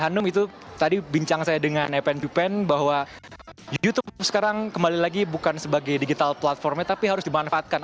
ya hanum itu tadi bincang saya dengan evan cupan bahwa youtube sekarang kembali lagi bukan sebagai digital platform nya tapi harus dimanfaatkan